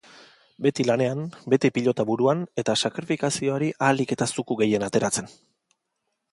Beti lanean, beti pilota buruan eta sakrifizioari ahalik eta zuku gehien ateratzen.